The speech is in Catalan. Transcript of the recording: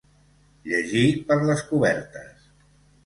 Llegir per les cobertes.